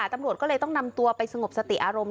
ตำรวจก็เลยต้องนำตัวไปสงบสติอารมณ์